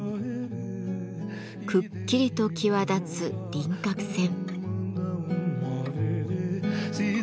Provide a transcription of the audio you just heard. くっきりと際立つ輪郭線。